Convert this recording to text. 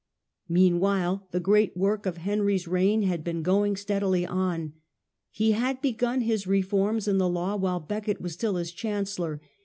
Meanwhile the great work of Henry's reign had been going steadily on. He had begun his reforms in the law while Becket was still his chancellor.